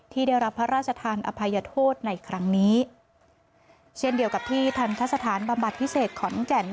ที่ได้รับพระราชทานอภัยโทษในครั้งนี้เช่นเดียวกับที่ทันทสถานบำบัดพิเศษขอนแก่น